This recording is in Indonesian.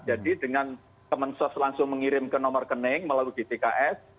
jadi dengan kementerian sosial langsung mengirim ke nomor kening melalui dtks